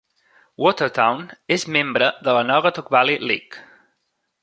Watertown és membre de la Naugatuck Valley League.